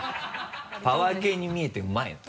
パワー系に見えてうまいの。